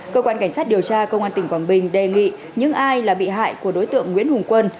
cơ quan cảnh sát điều tra công an tỉnh quảng bình đề nghị những ai là bị hại của đối tượng nguyễn hùng quân